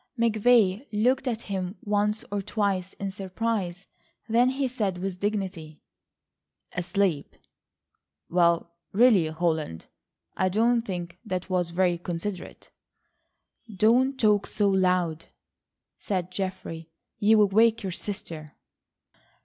McVay looked at him once or twice, in surprise. Then he said with dignity: "Asleep? Well, really, Holland, I don't think that was very considerate." "Don't talk so loud," said Geoffrey, "you'll wake your sister."